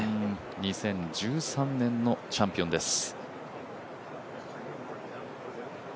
２０１３年のチャンピオンです。